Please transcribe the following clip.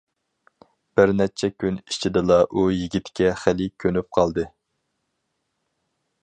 بىرنەچچە كۈن ئىچىدىلا ئۇ يىگىتكە خېلى كۆنۈپ قالدى.